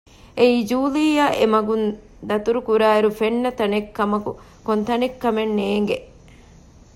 އެއީ ޖޫލީއަށް އެމަގުން ދަތުރުކުރާ އިރު ފެންނަ ތަނެއްކަމަކު ކޮންތަނެއް ކަމެއް ނޭގެ